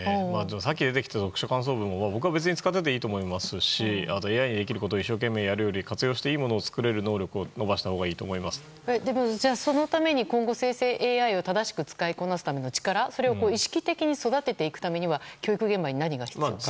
さっき出てきた読書感想文僕は使ってもいいと思いますしあとＡＩにできることを一生懸命やるより活用できるような能力をそのために今後、生成ＡＩを正しく使いこなすための力を意識的に育てていくためには教育現場に何が必要ですか。